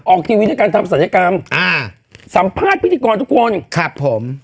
ทีวีด้วยการทำศัลยกรรมอ่าสัมภาษณ์พิธีกรทุกคนครับผม